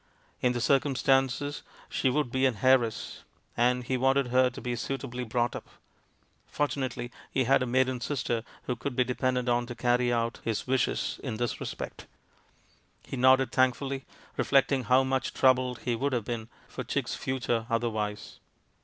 In the circumstances she would be an heiress, and he wanted her to be suitably brought up. Fortunately, he had a maiden sister who could be depended on to carry out his wishes in 232 THE MAN WHO UNDERSTOOD WOMEN this respect. He nodded thankfully, reflecting how much troubled he would have been for Chick's future otherwise.